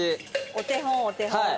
お手本お手本。